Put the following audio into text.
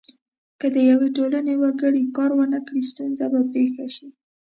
که د یوې ټولنې وګړي کار ونه کړي ستونزه به پیښه شي.